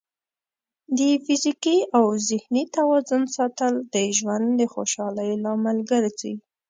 د فزیکي او ذهني توازن ساتل د ژوند د خوشحالۍ لامل ګرځي.